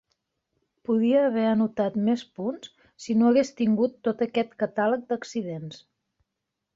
Podria haver anotat més punts si no hagués tingut tot aquest catàleg d'accidents.